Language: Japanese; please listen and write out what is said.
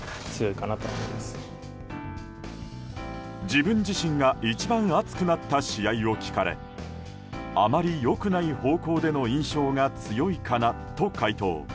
自分自身が一番熱くなった試合を聞かれあまり良くない方向での印象が強いかなと回答。